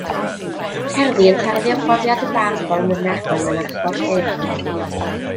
Cerddi yn tarddu o brofiad y bardd fel mynach mewn mynachlog gaeedig.